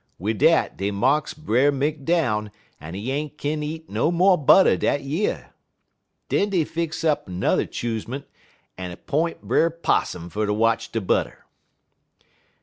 Wid dat, dey marks Brer Mink down, en he ain't kin eat no mo' butter dat year. Den dey fix up 'n'er choosement en 'p'int Brer Possum fer ter watch de butter.